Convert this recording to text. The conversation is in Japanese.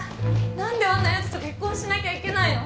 何であんなやつと結婚しなきゃいけないの！？